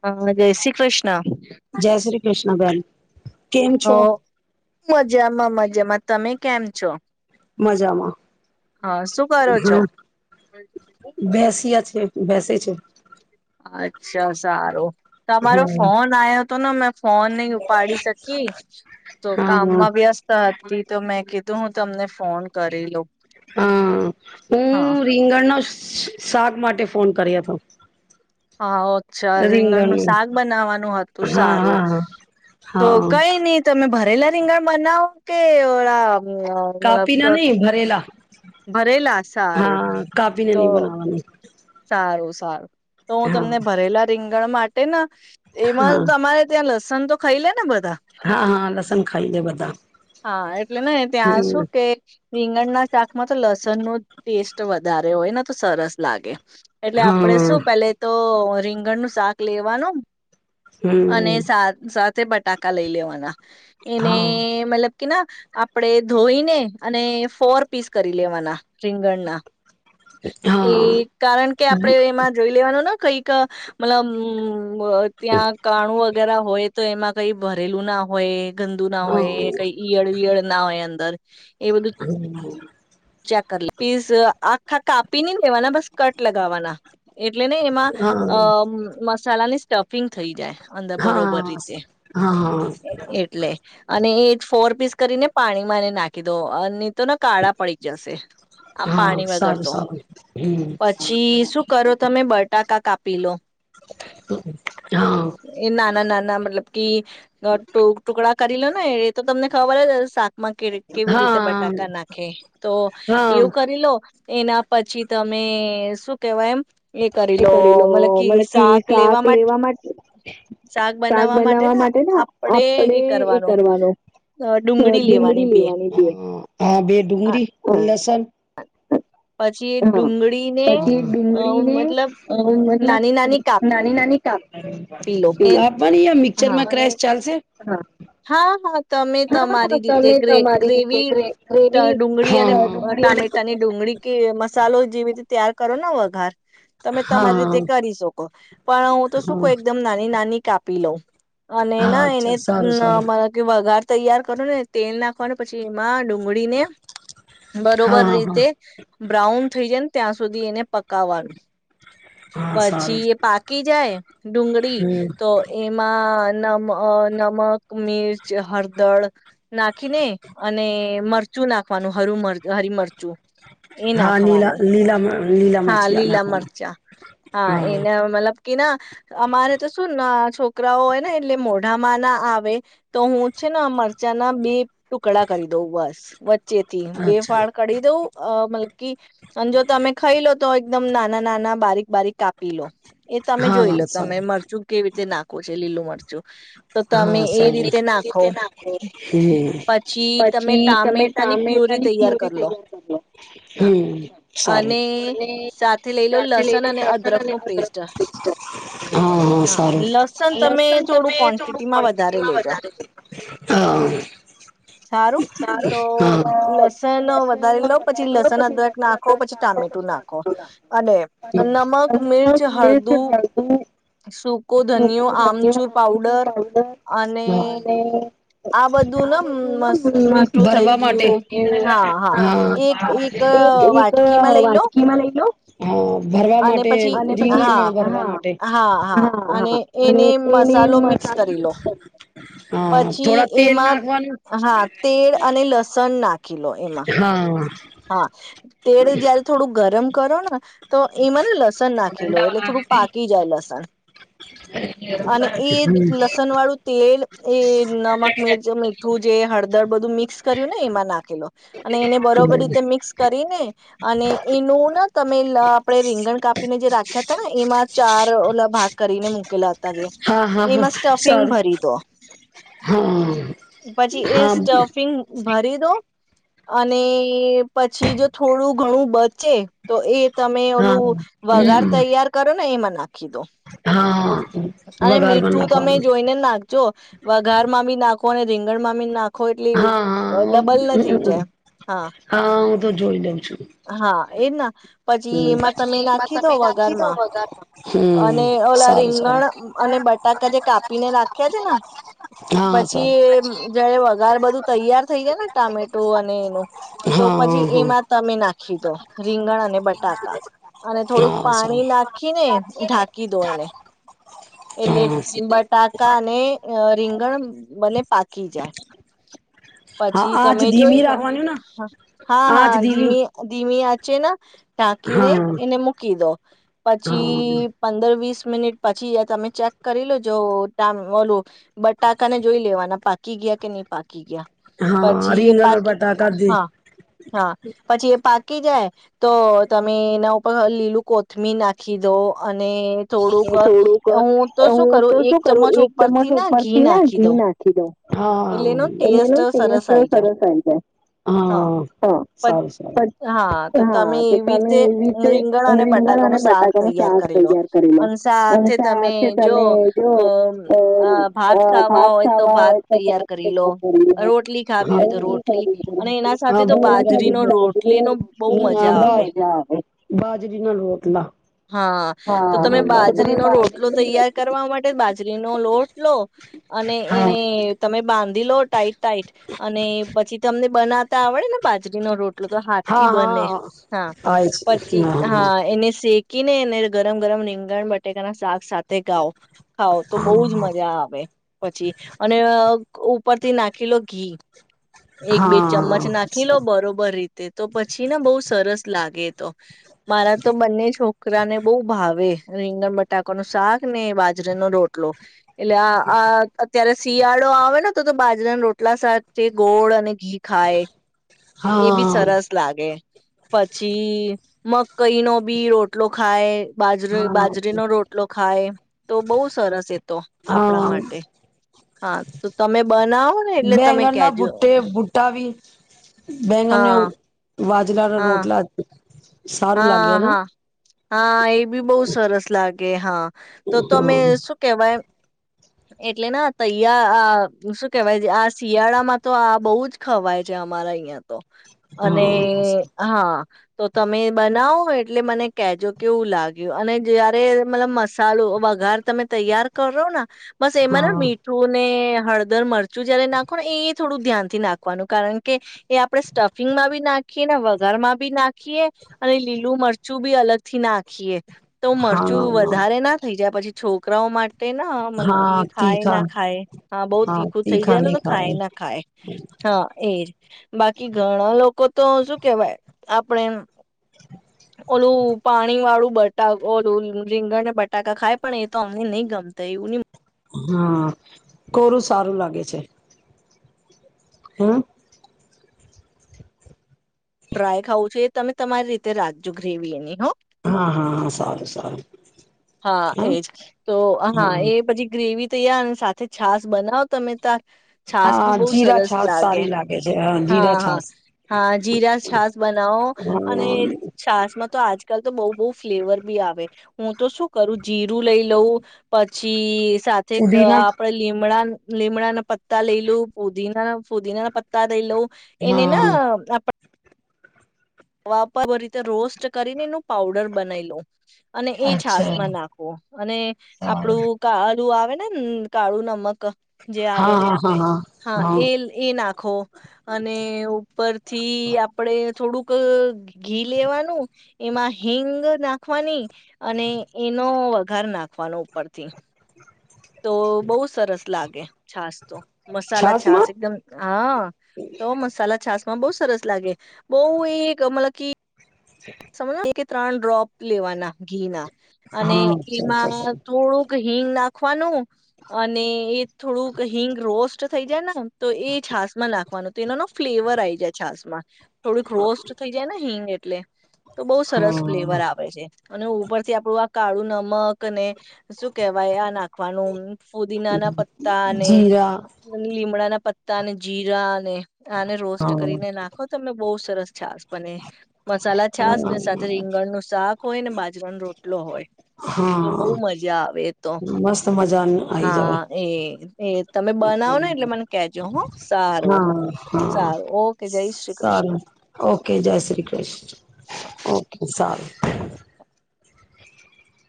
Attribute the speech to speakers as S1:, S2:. S1: હા જય શ્રી કૃષ્ણ
S2: જય શ્રી કૃષ્ણ બેન કેમ
S1: હ
S2: છો
S1: મજા. મા મજમાં. તમે કેમ છો?
S2: મજામાં.
S1: હા શું કરો છો?
S2: હા બેસ્યા છે બેસે છે.
S1: અચ્છા સારું. તમારો ફોન આવ્યો હતો ને મેં ફોન નહી ઉપાડી શકી તો
S2: હા હા
S1: કામમાં વ્યસ્ત હતી તો મેં કીધું હું તમને ફોન કરી લઉ
S2: હા
S1: હા.
S2: હું રીંગણનો શાક માટે ફોન કર્યો હતો
S1: હા ઓ ચ્છા રીંગણ નું શાક બનાવવાનું હતું
S2: હા
S1: સારું
S2: હા હા
S1: તો
S2: હા
S1: કઈ નહી તમે ભરેલા સિંગર મનાઓ કે ઓલા
S2: કાપીને
S1: હમ્મ
S2: નહી ભરેલા
S1: [unintelligible] ભરેલા સારુ
S2: હા કાપીને
S1: તો
S2: નહી બનાવાની
S1: સારું. સારુ. તો હું
S2: હા
S1: તમને ભરેલા રિંગ ગણ માટે ન એમાં
S2: હા
S1: તો અમારે ત્યાં લસ સન તો ખાઈ લે ને બ
S2: હા હા લસણ ખાઈ લે બધા.
S1: હા. એટલે ને ત્યાં
S2: હમ
S1: શું કે. રીંગણના શાકમાં તો લસણ નો ટેસ્ટ વધારે હોય ને તો સરસ લાગે. એટલે આપડે
S2: હા
S1: શું પેલે તો રિંગ નનું શાક લેવાનું. અને
S2: હમ
S1: સાત સાત તે બટાકા લઈ લેવાના. એને
S2: હા
S1: મતલબ. ના આપણેે ધોઈને અને ફોર પીસ કરી લેવાના રીંગણના. એ કારણ કે આપણેે એમાં જોઈ લેવાનું ને કઈક મતલબ ત્યાં કાણું વગેરે હોય તો એમાં. કઈ ભરેલું ના હોય. ગંદુ ના
S2: હા
S1: હોય. ઈયળ વિયળ ના હોય અંદર. એ બધું ચેક કરી લ પ્લીઝ આખા કાપી ન દેવાના બસ કટ લગાવવાના. એટલે ને એમાં અ મસાલાની સ્ટફિંગ થઈ જાય અંદર
S2: હા હા
S1: બરોબર રીતે
S2: હા હા
S1: એટલે અને એ જ ફોર પીસ. કરીને પાણી માં એને નાખી દો અને. તો કાળા. પડી જશે આમ
S2: હા
S1: પાણી વગર
S2: સારું
S1: તો
S2: સારું હમ
S1: પછી શું કરો તમે બટાકા કાપ. પી લો.
S2: હા
S1: એ નાના નાના મતલબ કે ટુકડા કરી લો ને એ તો તમને ખબર શાકમાં કે કેવી રીતે
S2: હા
S1: બટાકા નાખે. તો
S2: હા
S1: એવું કરી લો. એના પછી તમે શું કેવાય એમ.
S2: એ કરી લો મતલબ કે શાક લેવા માટે શાક બનાવા માટે આપડે એ કરવાનું ડુંગળી લેવાની છે બે ડુંગળી. લસન.
S1: પછી
S2: હા
S1: ડુંગળીને
S2: પછી
S1: અ
S2: ડુંગળીને
S1: મતલબ
S2: મતલબ નાની નાની કાપ
S1: કાપી લો
S2: કાપવાની મિક્ચર
S1: હા
S2: માં ક્રેશ ચાલશે. હા
S1: હા હા તમે
S2: હા હા
S1: તમારી રીતે
S2: તમે
S1: ગ્રે
S2: તમારી રીતે
S1: ગ્રેવી
S2: ગ્રેવી
S1: ડુંગળી અને
S2: ડુંગળી અને
S1: ટામેટાની ડુંગળી કે. મસાલો જેવી રીતે તૈાર કરો ને વઘાર. તમે
S2: હા
S1: તમારી રીતે
S2: હા
S1: કરી શકો પણ હું તો શું કહું એકદમ નાની નાની. કાપી લો. હ
S2: હા
S1: નના એને.
S2: અચ્છા સારું
S1: ના
S2: સારું
S1: મને કે વઘાર તૈયાર કરો ને તેલ નાખ. પણ અને પછી એમાં ડુંગળીને
S2: હા
S1: બરોબર
S2: હા હા
S1: રીતે બ્રાઉન થઈ જાય ને ત્યાં સુધી એને પકાવવાનું.
S2: હા સારું
S1: પછી એ પાકી જાય ડુંગળી
S2: હમ
S1: તો એમાં નમ અ નમ. નમક મિર્ચ હળદર નાખીને અને મક મરચું નાખવાનું હરું હરી મરચું. એ
S2: હા લીલા
S1: નાખવાનું
S2: લીલા લીલા
S1: હા
S2: મિરચીઆ
S1: લીલા મરચા
S2: નાખવાના હા.
S1: એને મતલબ કે ના અમારે તો શું ન છોકરાઓ હોય ને એટલે મોઢામાં ના આવે તો હું છે ને મરચાં ના બે ટુકડા કરી દઉં બસ. વચ જેથી બે
S2: અચ્છા
S1: ફાળ કરી દઉં અ મલકી અને જો તમે ખઈ લો તો એકદમ નાના-નાના બારીક બારીક કાપી લો. એ તમે જોઈ
S2: હા
S1: લો તમે
S2: સારું
S1: મરચું કેવી રીતે નાખો છે લીલું મરચું. જો
S2: હા સરુ નાખ
S1: પછી તમે
S2: પછી તમે
S1: ટામેટાની પ્યુરી
S2: ટામેટાની પુરેયી
S1: કરી
S2: તૈયાર લો
S1: હા
S2: સારુ અને
S1: સાથે લઈ લો
S2: સાથે
S1: લસણ
S2: લયલો
S1: અને
S2: લસણ
S1: અદરક
S2: અને
S1: નું
S2: અદરક
S1: પેસ્ટ
S2: અહ સારું લસ તમે. થોડું
S1: કોન્ટીટી માં વધારે
S2: ક્વોન્ટિટીમાં
S1: લેજો
S2: લો હા
S1: સારું તો લસણ વધારે
S2: લસણનો
S1: લોવ
S2: વઘાર
S1: પછી
S2: લો
S1: લસણ અદરક
S2: મસાલા
S1: નાખો
S2: તરત
S1: પછી ટામેટું નાખો અને
S2: નાખો
S1: નમક
S2: અને
S1: મિરચ
S2: નમક મિર્ચ
S1: હળદું
S2: હળદી
S1: સકો ધનયો આમચૂર પાવડર. અને
S2: પડર અને
S1: બધું
S2: આ
S1: ને મસ્ત
S2: બધું
S1: મીઠું થઈ
S2: ભરવા માટે
S1: ગયું હા હા એક એક
S2: એક
S1: વાટકીમાં લઈ લો
S2: વાટકીમાં લઈ લો. હા. ભરવા
S1: અને
S2: માટે
S1: પછી હા
S2: રીંગણમાં ભરવા માટે હા હા અને એની.
S1: કરીરી લો. પછી
S2: થોડા તેલ
S1: એમાં
S2: નાખવાનું
S1: હા તેલ અને લસણ નાખે.
S2: હા.
S1: હા તેલ જયારે થોડું ગરમ. હ કરો ના. તો એમાં ને લસણ નાખી લો એટલે થોડું પાકી જાય લસણ અને એ
S2: હમ
S1: લસણ વાળું તેલ. એ નમક મિરચ મીઠું જે હળદર બધું મિક્સ. કર્યું ને એમાં નાખેલો. અને એને બરોબરી
S2: હા
S1: મિક્સ કરીને અને એનું ન તમે આપણે રીંગણ કાપીને જે રાખ્યા હતા ને એમાં ચાર ઓલા ભાગ કરીને મૂકેલા હતા.
S2: હા હા
S1: એમાં સ્ટફિંગ
S2: સારું
S1: ભરી દો
S2: હા
S1: પછી એ
S2: હા
S1: સ્ટફિંગ ભરી દો અને પછી જો થોડું ઘણું બધ. ચે તો એ તમે
S2: હા
S1: ઓલું વગાર
S2: હમ
S1: તૈયાર કરો ને એ મન કીદો
S2: હા
S1: અને
S2: વઘાર પણ
S1: મીઠું તમે
S2: નાખવાનો
S1: જોઈને નાખજો વઘાર માં બી નાખો ને રીંગણ મામી ના ખો એટલી
S2: હા હા
S1: ડબલ ના થઈ જાય હા.
S2: હા હું તો જોઈ દઉં.
S1: હા. એના પછી
S2: હમ
S1: એમાં તમે
S2: પછી એમાં
S1: નાખી દો
S2: તમે
S1: વગાર
S2: નાખી દો
S1: માં
S2: વઘારમાં હમ
S1: અને ઓલા
S2: સારું
S1: રીંગણ
S2: સારું
S1: અને બટાકા જે કાપીને નાખ્યા છે ને
S2: હા સર
S1: પછી જયારે વઘાર બધું તૈયાર થઈ જાય ને ટામેટુ અને એનું તો
S2: હા
S1: પછી
S2: હા
S1: એમાં તમે નાખ કીધો રીંગણ અને બટાકા અને
S2: હા
S1: થોડુંક
S2: હા
S1: પાણી
S2: સારું
S1: નાખીને ઢાંકી દો એને એટલે બટાક
S2: હા
S1: કા અને અ રીંગણ બને પાકી જાય
S2: હા
S1: પછી
S2: આંચ
S1: તમે
S2: ધીમી
S1: જોઈ લો
S2: રાખવાની ને
S1: હા હા ધીમી તીમી આ છે ના. ઢાંકીને
S2: હા
S1: એને મૂકી દો
S2: હા
S1: પછી પંદર વીસ. મિનિટ પછી તમે ચેક કરી લોજ ટ ઓલું બટાકાને જોઈ લેવાના પાકી ગયા કે નહી પાકી. ગયા
S2: હા
S1: પછી
S2: રીંગણ
S1: પાકી
S2: બટાકા દી
S1: હા હા પછી પાકી જાય તો તમે એના ઉપર લીલું કોથમી નાખી દો અ અને થોડુંક હું તો શું કરું
S2: તો
S1: એક
S2: શું કરું
S1: ચમચ
S2: એક ચમચ
S1: ઉપરથી ના ઘી
S2: ઉપરથી ના
S1: નાખી
S2: ઘી
S1: દઉં.
S2: નાખી દઉં.
S1: એટલે એનો
S2: એટલે
S1: ટેસ્ટ
S2: એનો
S1: સરસ
S2: ટેસ્ટ
S1: આઈ જાય
S2: સરસ આવી જાય.
S1: હા
S2: હા
S1: પછ
S2: સારું સારું.
S1: હા તો તમે
S2: હા તો
S1: એવી
S2: તમે
S1: રીતે
S2: એવી રીતે
S1: રીંગણ અને
S2: રીંગણ અને
S1: બટાકાનું શાક
S2: બટાકાનું
S1: તૈયાર
S2: શાક
S1: કરી લો
S2: તૈયાર કરી લો.
S1: અને
S2: અને
S1: સાથે તમે
S2: સાથે
S1: જો
S2: તમે જો
S1: અ ભાત
S2: અ
S1: ખાવા
S2: ભાત
S1: હોય તો
S2: ખાવા
S1: ભાત.
S2: તો
S1: તૈયાર
S2: ભાત
S1: કરી લો
S2: તૈયાર કરી લો.
S1: રોટલી ખાવી હોય તો
S2: રોટલી કરી
S1: રોટલી અને એના સાથે તો બાજરીનો
S2: લો રોટલી
S1: રોટલીનો બહુ
S2: અને એના
S1: મજા
S2: સાથે બાજરીની રોટલી
S1: આવે
S2: બહુ મજા આવે. બાજરીના રોટલા
S1: હા તો
S2: હા
S1: તમે
S2: તમે
S1: બાજરીનો રોટલો
S2: બાજરીની
S1: તૈયાર
S2: રોટલી
S1: કરવા માટે બાજરીનો લોટ લો અને
S2: હા
S1: એને તમે બાંધ લો ટાઈટ-ટાઈટ અને પછી તમને બનાવતા આવડે ને બાજરીનો રોટ એટલે તો હાથ થી
S2: હા હા
S1: બને હા
S2: આવે છે
S1: પછી હા એને શેક ક નેને ગરમ ગરમ રીંગણ બટેકા ના શાક સા તે ગાઓ ખાઓ તો
S2: હા
S1: બહુ જ મજા આવે પછી અને ઉપરથી નાખી લો ઘી. એક બે
S2: હા
S1: ચમ્મચ નાખી લો બરોબર રીતે તો પછી ને બહુ સરસ લાગે. તો મારા તો બંને છોકરાને બહુ ભાવે રીંગણ બટાકો ન શાક ને બાજરેનો રોટલો. એટલે આ આ અત્યારે શિયાળો આવ હોય ને તો તો બાજરાના રોટલા સાથે ગોળ અને ઘી ખાય એ બી
S2: હા
S1: સરસ લાગે. પછી મકાઈ નો બી રોટલો ખાય. બાજરી
S2: હા
S1: બાજરીનો રોટલો ખાય તો બહુ સરસ એતો આપણા
S2: હા
S1: માટે હા. બનાવો ને એટલે તમે
S2: બૈંગનના
S1: કેજો
S2: બૂટે બૂટા બ બૈંગન
S1: હા
S2: વાજલાના
S1: હા
S2: રોટલા સારું
S1: હા
S2: લાગયાના.
S1: હા હા એ બી બહઉુ સરસ લાગે. કે હા. તો તમે શું કેવાય એટલે ના તૈય આ શું કેવાય આ શિયાળામાં તો આ બહુ જ ખવાય છે અમારા અહિયાં તો અને હા ના હો એટલે મને કેજો કેવું લાગ્યું અને જયારે મતલબ મસાલો વઘાર તમે તૈયાર કરો ને બસ એમાં
S2: હા
S1: ના મીઠું ને હળદર મળર ચૂર જ્યારે નાખ એ થોડું ધ્યાનથી નાખવાનું કારણ કે એ આપડણે સ્ટફિંગ માં બી નાખીએ વઘારમાં બી નાખીએ. અને લીલું મરચું બી અલગ. થી નાખીએ. તો મરચું
S2: હા હા
S1: વધારે ના થઈ જાય પછી. છોકરાઓ માટે. તે ના મતલબ કે
S2: હા
S1: ખાય
S2: તીખા
S1: ના ખાય હા બહ તીખું થઈ
S2: તીખા
S1: જાય ને
S2: નહી
S1: તો
S2: ખાવે
S1: ખાય ના ખાય હા એજ. બાકી ઘણા લોકો તો શું કેવાય આપને ઓલું પાણી વાળું બટ ઓલું રીંગણને બટાકા ખાય પણ એ તો અમને નહી ગમતા એવું
S2: હા કોરું સારું લાગે છે. હમ.
S1: ડ્રાય ખાવું છે એ તમે તમારી રીતે રાખજો ગ્રેવી એની હો.
S2: હા હા હા સાર સારું.
S1: હા એજ તો હા એ પછી ગ્રેવી તૈ અને સાથે છાસ બનાવો તમે તા છાસ બી
S2: હા
S1: બહુ
S2: જીરા
S1: સરસ
S2: છાસ
S1: લાગે
S2: સારી છે
S1: હા
S2: જીરા
S1: હા
S2: છાસ
S1: હા જીરા છાસ બનાવો અને
S2: હા
S1: છાસ માં તો આજ આકાલ તો બહુ બહુ ફ્લેવર બી આવે હું તો શું કરું જીરું લઈ લઉં પછી. સાથે
S2: પુદીના
S1: આપડે લીમડા. લેમડાના પત્તા લઈ લ પોદીને એના ફુદીનાના પત્તા દઈ લઉ. એને
S2: હા
S1: ના આપ વાપ રીતે રોસ્ટ કરીને એનું પાઉડર બનાવી લો. અને એ છાસ
S2: અચ્છા
S1: માં નાખવો અને
S2: સારું
S1: આપડું કા તું આવે ને કાળુ નમક. જે આવે
S2: હા હા હા
S1: હા એ એ નાખો અને ઉપરથી આપડે. થોડું. ક. ઘી લેવાનું. એમાં હિંગ નાખવાની. અને એનો વઘાર નાખ. ફલો. પાર થી થી તો બહુ સરસ. લાગે છાશ મસાલા છાસ
S2: છાસમાં
S1: એકદમ હા તો મસાલા છાસ માં બો સરસ લાગે બો [unintelligible] સમજ ત્રણ ડ્રોપ લેવાના ઘી ના. અને
S2: હા અચ્છા અચ્છા
S1: એમાં
S2: અચ્છા
S1: થોડુંક. હિંગ નાખવાનું અને એ થોડુંક હિંગ રોસ્ટ થઈ જાય ને. તો એ છાસમાં લાગે. [unintelligible] ફ્લેવર આઈ જાય છાસ માં થોડક રોસ્ટ થઈ જાય ને હિંગ. એટલે. તો બઉુ સરસ ફ્લેવર
S2: હા
S1: આવે છે. અને ઉપરથી આપણું આ કાળું નમક અને. શું કેવાય આ નાખવાનું ફુદીના ના પત્તા અને
S2: જીરા
S1: લીમડા ના પતા ને જીરા ને. આને રોસ્ટ કરીને
S2: હા
S1: નાખો તમે બોઉ સરસ છાસ બને મ મસાલા છાસ ને સાથે રીંગણનું શાક હોય ને બાજુ જવન રોટલો હોય. તો બહુ
S2: હા
S1: મજા આવે તો.
S2: મસ્ત મજાનું આઈ જાવ
S1: હા એ એ. તમે બનાવો ને એટલે મને કજો હ.
S2: હા હા
S1: ઓકે જય શ્રી કૃષ્ણ
S2: સારું ઓકે જય શ્રી કૃષ્ણ. ઓકે સારું